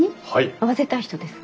会わせたい人ですか？